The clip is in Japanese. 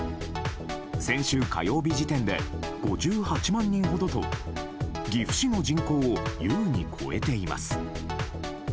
先週火曜日時点で５８人万ほどと岐阜市の人口を優に超えています。